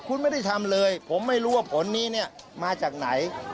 คุณไม่ได้ทำเลยผมไม่รู้ว่าผลนี้เนี่ยมาจากไหน